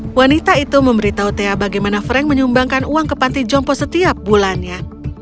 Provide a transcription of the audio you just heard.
wanita itu memberitahu tea bagaimana frank menyumbangkan uang ke panti jompo setiap bulannya